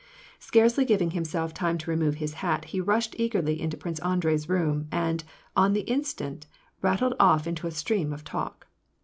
Scarcely giving himself time to remove his hat, he rushed eagerly into Prince Andrei's room, and, on the instant, rat tled off into a stream of talk.